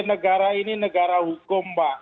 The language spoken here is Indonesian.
negara ini negara hukum pak